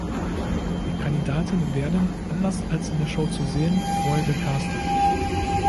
Die Kandidaten werden, anders als in der Show zu sehen, vorher gecastet.